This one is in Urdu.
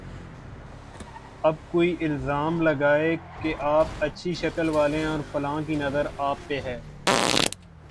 اب کوئی الزام لگائے کہ آپ اچھی شکل والے ہیں اور فلاں کی نظر آپ پہ ہے۔